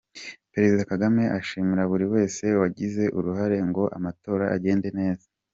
Perezida Kagame ashimira buri wese wagize uruhare ngo amatora agende neza